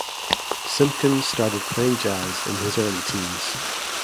Simkins started playing jazz in his early teens.